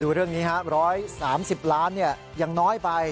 ดูเรื่องนี้ฮะร้อยสามสิบล้านเนี่ยยังน้อยไป